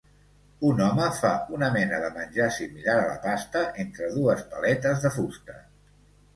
Un home fa una mena de menjar similar a la pasta entre dues paletes de fusta.